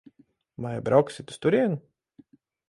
Vai brauksit uz turieni?